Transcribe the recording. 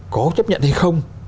có chấp nhận hay không